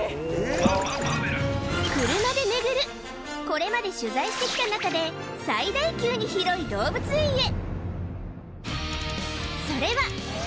これまで取材してきた中で最大級に広い動物園へ！